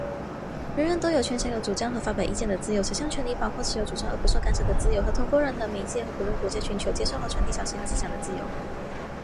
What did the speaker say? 人人有权享有主张和发表意见的自由;此项权利包括持有主张而不受干涉的自由,和通过任何媒介和不论国界寻求、接受和传递消息和思想的自由。